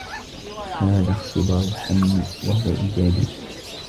هذا اختبار حمل و هو إيجابي.